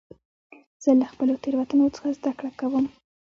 زه له خپلو تېروتنو څخه زدهکړه کوم.